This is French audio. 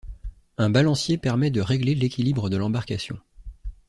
Un balancier permet de régler l'équilibre de l'embarcation.